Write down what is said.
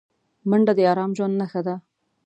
منډه د ارام ژوند نښه ده